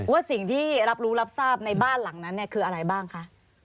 ว่าสิ่งที่รับรู้รับทราบในบ้านหลังนั้นคืออะไรบ้างคะ